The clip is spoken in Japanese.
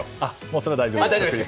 それは大丈夫です。